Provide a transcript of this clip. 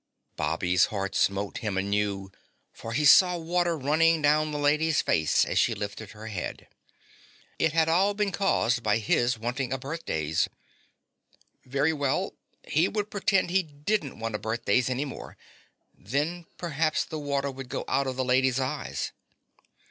Bobby's heart smote him anew, for he saw water running down the Lady's face as she lifted her head. It had all been caused by his wanting a birthdays. Very well, he would pretend he didn't want a birthdays any more; then perhaps the water would go out of the Lady's eyes.